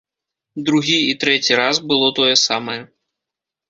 Другі і трэці раз было тое самае.